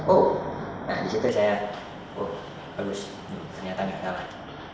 oh nah disitu saya oh bagus ternyata gak kalah